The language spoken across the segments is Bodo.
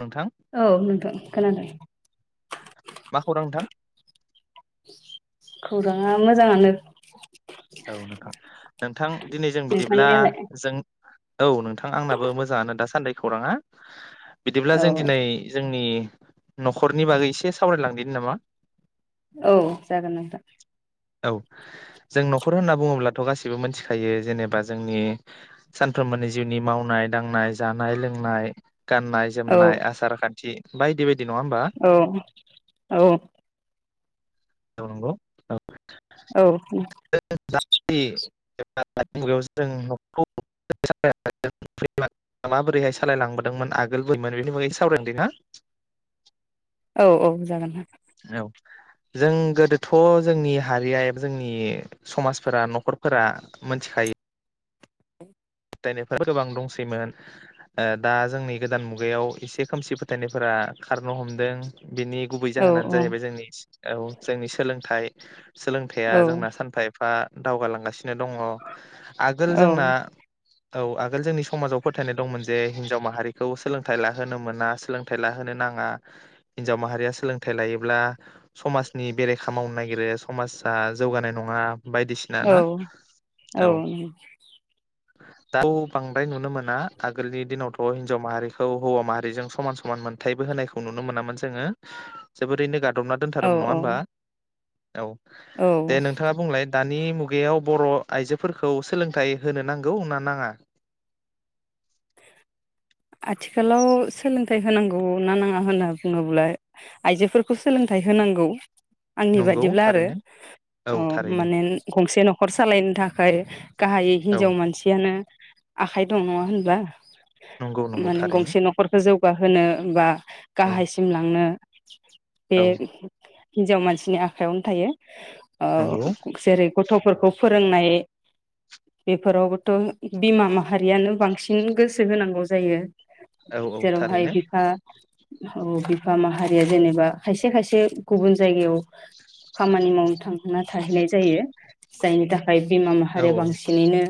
नोंथां औ नोंथां खोनादों। मा खौरां नोंथां खौराङा मोजाङानो। औ नोंथां नोंथां दिनै जों बिदिब्ला नोंथांनियालाय जों औ नोंथां आंनाबो मोजाङानो दासान्दि खौराङा। बिदिब्ला औ जों दिनै जोंनि नखरनि बागै एसे सावरायलांदिनि नामा? औ जागोन नोंथां। औ जों न नखर होनना बुङोब्लाथ गासिबो मिथिखायो जेनेबा जोंनि सानफ्रोमबोनि जिउनि मावनाय दांनाय जानाय लोंनाय गाननाय औ जोमनाय आसार खान्थि बायदि बाय औ औ। नंगौ औ औ। [unintelligible] माबोरैहाय सालायलांबोदोंमोन आगोल [unintelligible] औ औ जागोन। औ जों गोदोथ जोंनि हारिया एबा जोंनि समाजफोरा नखरफोरा मोनथिखायो फोथायनायफोरा गोबां दंसैमोन ओ दा जोंनि गोदान मुगायाव एसे खोमसि फोथायनायफोरा खारनो हमदों। बिनि गुबै औ जाहोनानो जाहैबाय जोंनि औ जोंनि सोलोंथाइ। सोलोंथाइया औ जोंना सानफा एफा दावगालांगासि नों दङ आगोल जोंना औ आगोल जोंनि समाजाव फोथायनाय दंमोन जे हिनजाव माहारिखौ सोलोंथाइ लाहोनो मोना सोलोंथाइ लाहोनो नाङा हिनजाव माहारिया सोलोंथाइ लायोब्ला समाजनि बेरेखा मावनो नागिरो समाजा जौगानाय नङा। बायदिसिना ना औ औ। दा थ बांद्राय नुनो मोना आगोलनि दिनावथ हिनजाव माहारिखौ हौवा माहारिजों समान समान मोनथायबो होनायखौ नुनो मोनामोन जोङो जोबोरैनो गादबना औ दोनथारोमोन नङा होनबा। औ औ औ दे नोंथाङा बुंलाय दानि मुगायाव बर‌' आइजोफोरखौ सोलोंथाइ होनोनां गौ होनना नाङा? आथिखालाव सोलोंथाइ होनांगौ ना नाङा होनना बुङोब्ला आइजोफोरखौ सोलोंथाइ होनांगौ। आंनि नंगौ बायदिब्ला आरो थारैनो औ माने गंसे नखर सालायनो थाखाय गाहायै औ हिनजाव मानसियानो। आखाइ दं नङा होनब्ला। नंगौ नंगौ माने थारैनो गंसे नखरखो जौ [unintelligible] औ गाहायसिम लांनो [inaudible] बे औ हिनजाव मानसिनि आखायाव थायो। नंगौ जेरै गथफोरखौ फोरोंनाय बेफोरावबोथ बिमा माहारियानो बांसिन गोसो होनांगौ। जायो। औ औ जेरावहाय थारैनो बिफा औ बिफा माहारिया जेनेबा खायसे खायसे गुबुन जायगायाव खामानि मावनो थांना थाहैनाय जायो जायनि था [unintelligible] बिमा औ माहारिया औ बांसिनैनो।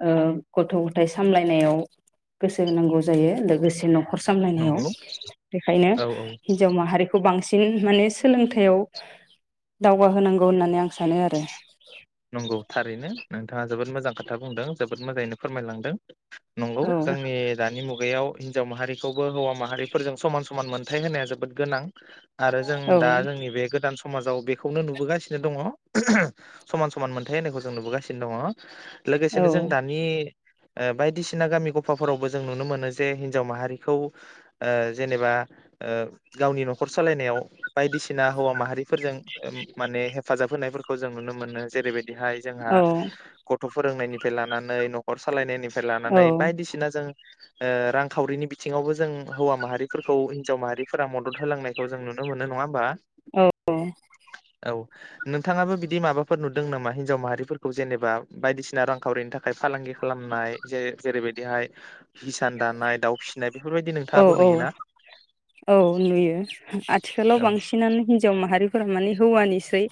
ओम गथ गथाइ सामलायनायाव गोसो होनांगौ जायो लोगोसे न खर नंगौ सामलायनायाव बेखायनो औ औ हिनजाव माहारिखौ बां सिन माने सोलोंथायाइयाव दावगाहोनांगौ होननानै आं सानो आरो नंगौ थारैनो नोंथाङा जोबोद मोजां खोथा बुंदों जोबोद मोजाङैनो फोरमायलांदों नंगौ जोंनि दानि मुगायाव हिनजाव माहारिखौबो हौवा माहारिफोरजों समान समान मोनथाय होनाया जोबोद गोनां। आरो जों औ दा जोंनि बे गोदान स माजाव बेखौनो नुबोगासिनो दङ समान समान मोनथाय होनायखौ जों नुबोगासिनो दङ औ लोगोसेनो जों दानि ओ बायदिसिना गामि गफाफोरावबो जों नुनो मोनो जे हिन्जाव माहारिखौ ओ जेनेबा ओ गावनि नखर सालायनायाव बायदिसिना हौवा माहारिफोरजों ओ माने हेफाजाब होनायफोर खौ जों नुनो मोनो जेरैबाय दिहाय जोंहा औ ग थ फोरोंनायनिफ्राय लानानै नखर सालायनायनि फाइ औ लानानै बायदिसिना जों ओ रांखावरिनि बिथिङावबो जों हौवा माहारिफोरखौ हिन्जाव माहारिफोरा मदद होलांनायखौ जों नुनो मोनो नङा होमबा? औ नोंथाङाबो बिदि माबा फोर नुदों नामा हिनजाव माहारिफोरखौ जेनेबा बायदिसिना रांखावरिनि थाखाय फालांगि खालामनाय जे जेरैबायदिहाय हिसान दानाय दाउ फिसिनाय बेफोरबायदिनो औ औ औ नुयो आथिखालाव औ बांसिनानो हिनजाव मा हारिफोरा माने हौवानिसै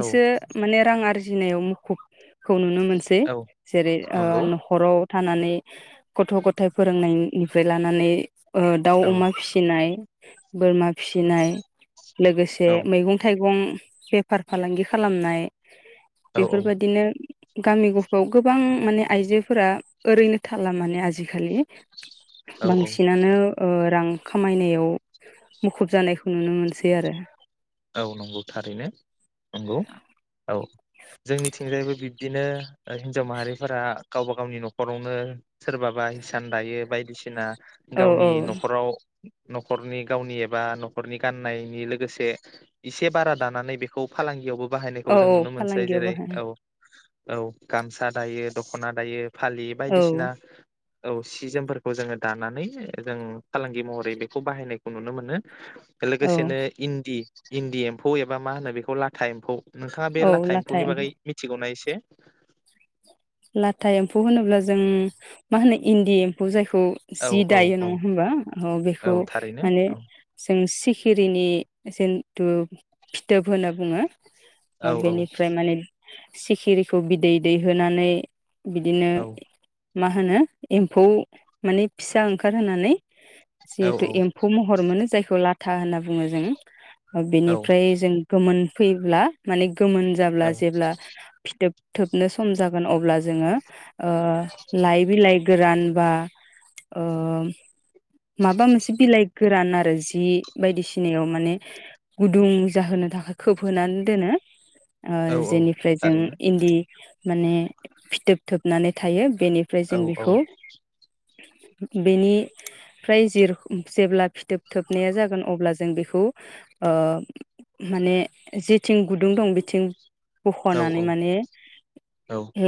औ माने रां आरजि गिनायाव मुखुबखौ नुनो नुनो मोनसै औ जेरै नंगौ नखराव थानानै गथ' गथाय फोरोंनाय निफ्राय ला नानै ओ दाउ औ अमा फिसिनाय बोरमा फिसिनाय लोगोसे औ मैगं थाइगं बेफार फालांगि खालामनाय औ बेफोरबादिनो गामि गफाव गोबां माने आइजोफोरा ओरैनो थाला माने आजिखालि। औ बांसिनानो ओ रां खामायनायाव मुखुब जानायखौ नुनो मोनसै आरो। औ नंगौ थारैनो। नंगौ औ। जोंनिथिंजायबो बिब्दिनो हिनजाव माहारिफोरा गावबा गावनि नखरावनो सोरबाबा हिसान दायो बायदि बिसिना औ औ गावनि नखराव नखरनि गावनि एबा नखरनि गाननायनि लोगोसे इसे बारा दानानै बेखौ फालांगियावबो औ बाहायनायखौ जों औ नुनो मोनसै फालांगियाव जेरै बाहाय औ। औ गामसा दायो दखना दायो फालि औ बायदिसिना औ सि जोमफोरखौ जोङो दानानै जों फालांगि महरै बेखौ बाहायनायखौ नुनो मोनो। औ लोगोसेनो इन्दि इन्दि एम्फौ एबा मा होनो बेखौ लाथा एम्फौ नोंथाङा बे औ लाथा एम्फौनि एम्फौ बागै मिथिगौना एसे? [unintelligible] लाथा एम्फौ होनोब्ला जों मा होनो इन्दि एम्फौ जाय खौ औ जि औ दायो नङा औ होनबा? औ बेखौ थारैनो माने औ जों सि खिरिनि जिन्थु फिथोब होनना बुङो। औ ओ औ बेनिफ्राय माने सिखिरिखौ बिदै दैहोनानै बिदिनो औ मा होनो एम्फौ माने फिसा ओंखारहोनानै जिहेथु एम्फौ महर मोनो जायखौ लाथ था होननाबो बुङो जों बेनिफ्राय जों गोमोन फैब्ला माने गोमोन औ जाब्ला जेब्ला फिथोब थोबनो सम जागोन अब अब्ला जोङो ओ लाय‌ बिलाय गोरान बा ओ माबा मोनसे बिलाइ गोरान आरो जि बायदिसिनायाव माने गुदुं जाहोनो थाखाय खोबहोनानै दोनो। ओ औ औ जेनिफ्राय जों थारैनो इन्दि माने फिथोब थोबनानै थायो बेनिफ्राय औ जों बिखौ बेनिफ्राय जिर जेब्ला फिथोब थोबनाया जागोन अब्ला जों बेखौ ओ माने जिद थिं गुदुं दं बिथिं औ बखनानै माने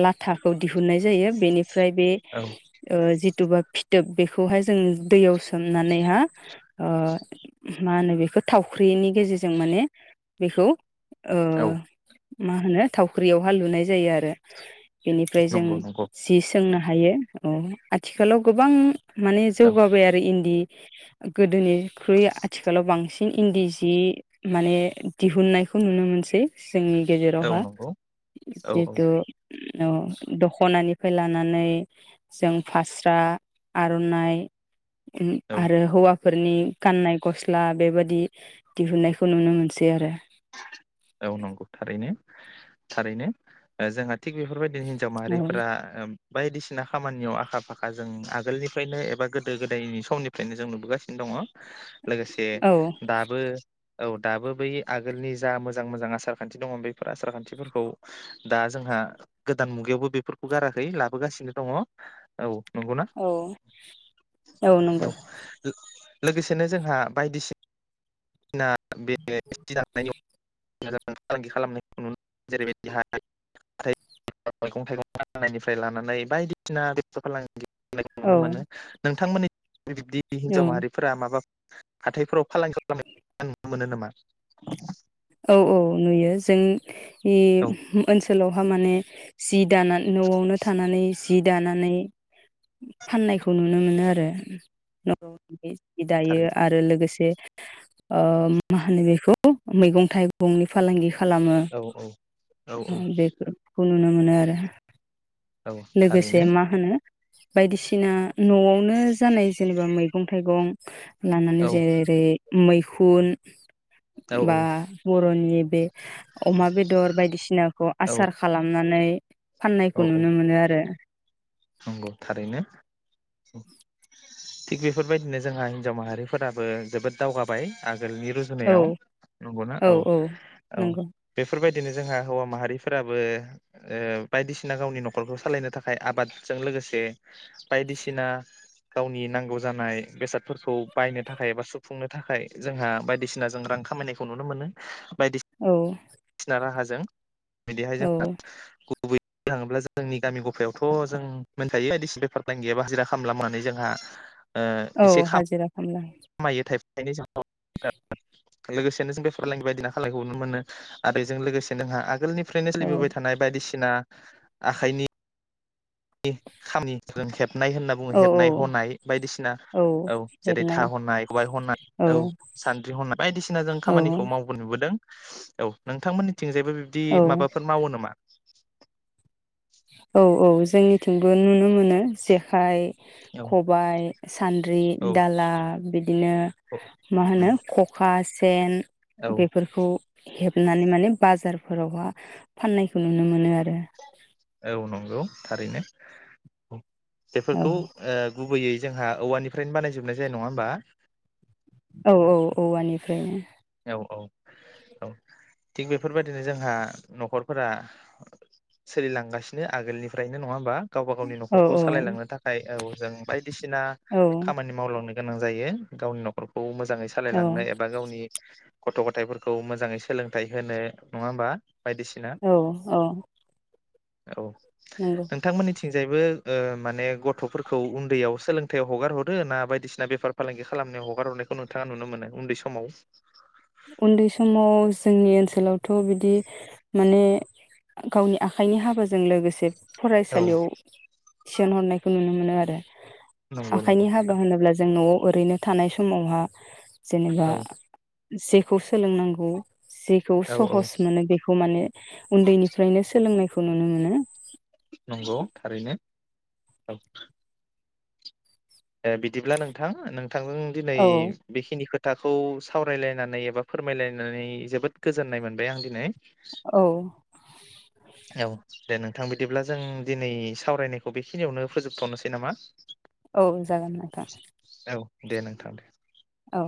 लाथाखौ दि दिहुननाय जायो बेनिफ फ्राय बे औ ओ जिथुबा फिथ फिथोब बेखौहाय जों दैयाव सोमनानैहा ओ मा होनो बेखौ थावख्रिनि गेजेरजों माने बेखौ ओ औ मा होनो थावख्रियावहा लुनाय जायो आरो बेनिफ्राय जों नंगौ नंगौ जि सोंना हायो औ आथिखालाव गोबां माने औ जौगाबाय आरो इन्दि गोदोनिख्रुइ आथिखालाव बांसिन इन्दि जि माने दिहुननायखौ नुनो मोनसै जोंनि औ गेजेरावहा नंगौ औ औ जिहेथु अ दखनानिफ्राय लानानै जों फास्रा आरनाइ उम औ आरो हौवा फोरनि गाननाय गस्ला बेबादि दिहुननायखौ नुनो मोनसै आरो औ नंगौ थारैनो थारैनो ओ जोंहा थिग बेफोरबायदि हिन्जाव औ माहारिफोरा ओम बायदिसिना खामानियाव आखा फाखा जों आगोलनिफ्रायनो एबा गोदो गोदायनि समनिफ्रायनो जों नुबोगासिनो दङ। लोगोसे औ दाबो औ दाबो बै। आगोलनि जा मोजां मोजां आसार खान्थि दङ बेफोर आसार खान्थिफोरखौ दा जोंहा गोदान मुगायावबो बेफोरखौ गाराखै लाबोगासिनो दङ औ। नंगौना औ औ नंगौ। लोगोसेनो जोंहा बायदिसिना। बे [unintelligible] मोजां फालांगि खालामनायखौ नुनो मोनो जेरैबायदि ह [unintelligible] मैगं थाइगं फाननायनिफ्राय लानानै बायदिसिना बेथा फालांगि। औ नुनो मोनो नोंथांमोननि। बिब्दि हिनजाव औ माहारिफोरा माबा। हाथायफोराव फालांगि खालामो आं नुनो मोनो नामा? औ औ नुयो जों। औ उम ओनसोलाव बहा माने जि दानानै न'आवनो थानानै जि दानानै फाननायखौ नुनो मोनो आरो न'आव जि दायो थारैनो आरो लोगोसे मा होनो बेखौ मैगं थाइगंनि फालांगि खालामो औ औ बेनो नुनो मोनो आरो। औ औ लोगोसे थारैनो मा होनो बायदिसिना न'आवनो जानाय जेनेबा मैगं मैगं थाइगं औ लानानै जेरै मैखुन। बा औ बर'नि बे अमा बेदर बायदिसिनाखौ औ आसार खालामनानै। फाननायखौ औ नुनो। आरो। नंगौ थारैनो। [inaudible] थिग बेफोरबायदिनो जोंहा हिनजाव माहारिफोराबो जोबोद दावगाबाय। नोंनि औ रुजुनायाव नंगौना औ औ नंगौ बेफोरबाय बिदिनो जोंहा हौवा माहारिफोराबो ओ बायदिसिना गावनि नखरखौ सालायनो थाखाय आबाद जों लोगोसे बायदिसिना गावनि नांगौ जानाय बेसादफोरखौ बायनो थाखाय एबा सुफुंनो थाखाय जोंहा बायदिसिना जों रां खामायनायखौ नुनो मोनो। औ। सिना राहाजों। बिदिहाय औ [unintelligible] गुबै [inaudible] थाङोब्ला जोंनि गामि गफायावथ जों मोनखायो बायदिसिना बेफार [unintelligible] गैयाबा हाजिरा खामला मावनानै जोंहा औ हाजिरा खामला। मायो [unintelligible] लोगोसेनो जों बे फालांगि बायदिना खालामनायखौ नुनो मोनो आरो बेजों लोगोसे नोंहा आगोलनि फ्रायनो औ सोलिबोबाय थानाय बायदिसिना आखाइनि [unintelligible] हेबनाय होनना बुङो औ औ हेबनाय हनाय बायदिसिना औ जेरै हेबनाय था हनाय खबाइ हनाय औ सानद्रि हनाय बायदिसिना जों औ खामानिखौ मावबो नुबोदों। औ नोंथांमोननि थिंजायबो बिबदि औ माबाफोर मावो नामा? [inaudible] औ औ। जोंनिथिंबो नुनो मोनो जेखाइ औ खबाइ सान्द्रि औ दाला बिद दिनो औ मा होनो खखा सेन औ बेफोरखौ हेबनानै माने बाजारफोरावहा फाननायखौ नुनो मोनो आरो। औ नंगौ थारैनो औ। औ बेफोरखौ ओ गुबैयै जोंहा औवानिफ्रायनो बानायजोबनाय जायो नङा होमबा? औऔ औवानिफ्रायनो। औ औ औ थिग बेफोरबायदिनो जोंहा नख'रफोरा सोलिलांगासिनो आगोलनिफ्रायनो नङा होमबा? गावबा गावनि औ नख'रखौ सालायलांनो थाखाय औ जों बायदिसिना औ खामानि मावलांनो गोनां जायो गावनि नखरखौ मो जाङै औ सालायलांनो एबा गावनि गथ' गथायफोरखौ मोजाङै सोलोंथाइ होनो नङा होमबा? बायदिसिना औ औ। औ। नंगौ नोंथांमोनिथि थिंजायबो ओ माने गथफोरखौ उन्दैयाव सोलोंथायाइयाव हगार हरो ना बायदिसिना बेफार फालांगि खालामनायाव हगार हरनायखौ नोंथाङा नुनो मोनो उन्दै समाव। उन्दै समाव जोंनि ओनसोलावथ बिदि माने गावनि आखाइनि हाबाजों लोगोसे औ फरायसालियाव थिसनहरनायखौ नुनो मोनो आरो। नंगौ नंगौ आखाइनि हाबा होनोब्ला जों नआव ओरैनो थानाय समावहा जेनेबा औ जेखौ सोलोंनांगौ जेखौ औ औ सहस मोनो बेखौ माने उन्दैनिफ्रायनो सोलोंनाय खौ नुनो मोनो। नंगौ थारैनो औ। ए बिदिब्ला नोंथां नों थांदों दिनै औ बेखिनिखो खोथाखौ सावरायलायनानै एबा फोरमायलायनानै जोबोद गोजोननाय मोनबाय आं दिनै। औ औ दे नोंथां बिदिब्ला जों दिनै सावरायनायखौ बेखिनियावनो फोजोबथनोसै नामा। औ जागोन नोंथां। औ दे नोंथां दे। औ